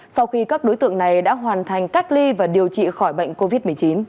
sau khi các đối tượng này đã hoàn thành cách ly và điều trị khỏi bệnh covid một mươi chín